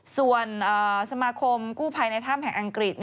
ส่วนสมาคมกู้ภัยในถ้ำแห่งอังกฤษ